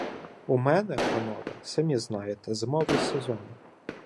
— У мене, панове, самі знаєте, зимовий сезон.